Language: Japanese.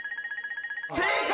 正解！